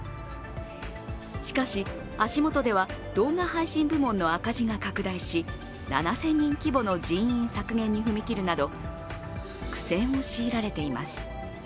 しかし、足元では動画配信部門の赤字が拡大し７０００人規模の人員削減に踏み切るなど苦戦を強いられています。